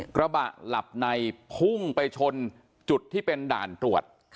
กระบะหลับในพุ่งไปชนจุดที่เป็นด่านตรวจ